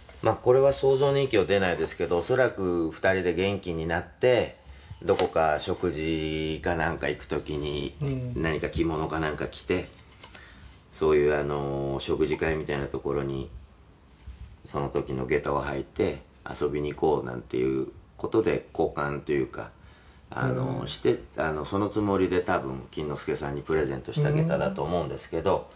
「まあこれは想像の域を出ないですけど恐らく２人で元気になってどこか食事かなんか行く時に何か着物かなんか着てそういう食事会みたいな所にその時の下駄を履いて遊びに行こうなんていう事で交換というかしてそのつもりで多分錦之介さんにプレゼントした下駄だと思うんですけど」